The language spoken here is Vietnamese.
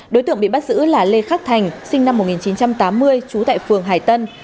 đối tượng bị bắt giữ là lê khắc thành sinh năm một nghìn chín trăm tám mươi trú tại phường hải tân